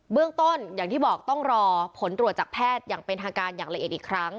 เรื่องต้นอย่างที่บอกต้องรอผลตรวจจากแพทย์อย่างเป็นทางการอย่างละเอียดอีกครั้ง